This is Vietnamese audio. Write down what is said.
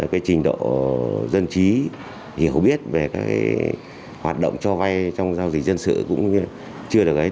cái trình độ dân trí hiểu biết về các hoạt động cho vay trong giao dịch dân sự cũng chưa được ấy